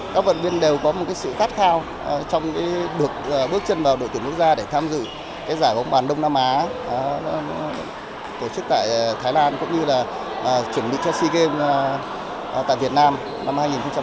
các vận viên đều có sự tắt khao trong bước chân vào đội tuyển quốc gia để tham dự giải bóng bàn đông nam á tổ chức tại thái lan cũng như chuẩn bị sea games tại việt nam năm hai nghìn hai mươi một